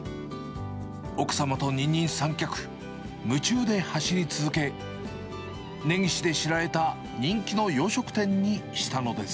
奥様と二人三脚、夢中で走り続け、根岸で知られた人気の洋食店にしたのです。